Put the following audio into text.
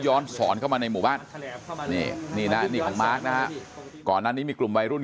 ย้อนสอนเข้ามาในหมู่บ้านของมาร์คก่อนนั้นนี้มีกลุ่มวัยรุ่น